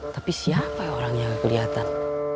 tapi siapa orang yang kelihatan